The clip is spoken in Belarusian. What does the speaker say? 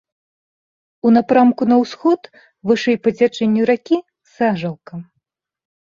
У напрамку на ўсход, вышэй па цячэнню ракі, сажалка.